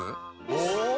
お！